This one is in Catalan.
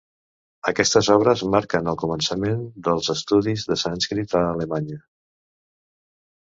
Aquestes obres marquen el començament dels estudis de sànscrit a Alemanya.